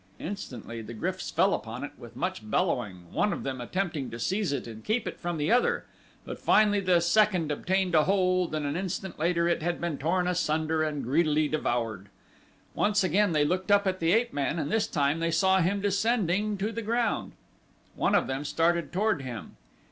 Instantly the gryfs fell upon it with much bellowing, one of them attempting to seize it and keep it from the other: but finally the second obtained a hold and an instant later it had been torn asunder and greedily devoured. Once again they looked up at the ape man and this time they saw him descending to the ground. One of them started toward him.